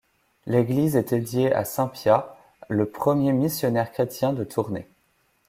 L'église est dédiée à Saint-Piat, le premier missionnaire chrétien de Tournai.